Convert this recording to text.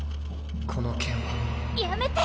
この剣はやめて！